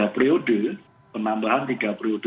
periode penambahan tiga periode